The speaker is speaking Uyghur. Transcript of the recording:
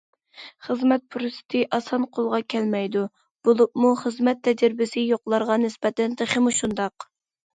خىزمەت پۇرسىتى ئاسان قولغا كەلمەيدۇ، بولۇپمۇ، خىزمەت تەجرىبىسى يوقلارغا نىسبەتەن تېخىمۇ شۇنداق.